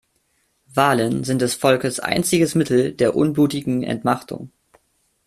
Wahlen sind des Volkes einziges Mittel der unblutigen Entmachtung.